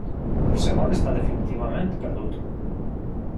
El segon està definitivament perdut.